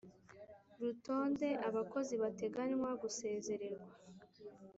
Rutonde abakozi bateganywa gusezererwa